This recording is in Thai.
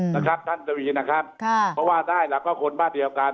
นะครับท่านทวีนะครับค่ะเพราะว่าได้แล้วก็คนบ้านเดียวกัน